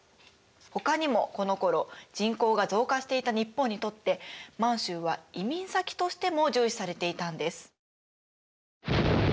ほかにもこのころ人口が増加していた日本にとって満州は移民先としても重視されていたんです。